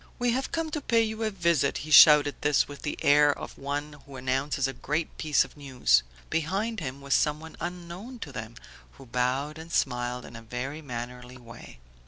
"We have come to pay you a visit!" He shouted this with the air of one who announces a great piece of news. Behind him was someone unknown to them, who bowed and smiled in a very mannerly way.